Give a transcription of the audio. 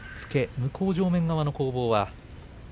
向正面側の攻防。